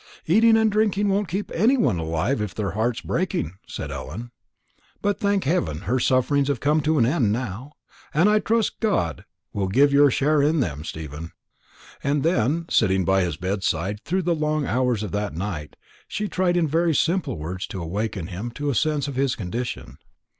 "Eating and drinking won't keep any one alive, if their heart's breaking," said Ellen; "but, thank heaven, her sufferings have come to an end now, and I trust God will forgive your share in them, Stephen." And then, sitting by his bedside through the long hours of that night, she tried in very simple words to awaken him to a sense of his condition.